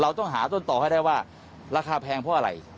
ต้องหาต้นต่อให้ได้ว่าราคาแพงเพราะอะไร